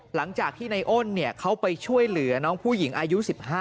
หลังจากที่ในอ้นเขาไปช่วยเหลือน้องผู้หญิงอายุ๑๕